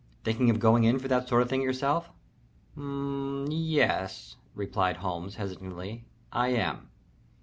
Thinking of going in for that sort of thing yourself?" "M m m yes," replied Holmes, hesitatingly. "I am.